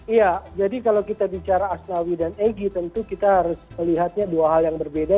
iya jadi kalau kita bicara asnawi dan egy tentu kita harus melihatnya dua hal yang berbeda